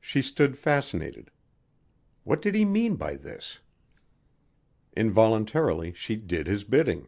She stood fascinated. What did he mean by this? Involuntarily she did his bidding.